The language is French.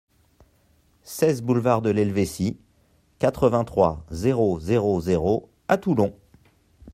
seize boulevard de l'Hélvétie, quatre-vingt-trois, zéro zéro zéro à Toulon